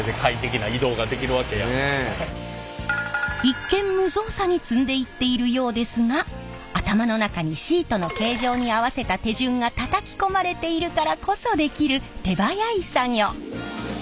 一見無造作に積んでいっているようですが頭の中にシートの形状に合わせた手順がたたき込まれているからこそできる手早い作業。